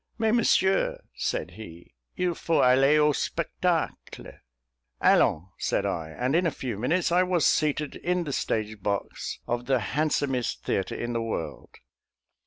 "Mais, monsieur," said he, "il faut aller au spectacle?" "Allons," said I, and in a few minutes I was seated in the stage box of the handsomest theatre in the world.